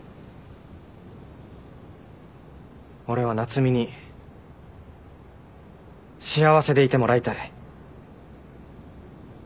俺は夏海に幸せでいてもらいたい。